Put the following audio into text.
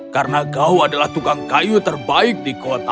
karena kau adalah tukang kayu terbaik di kota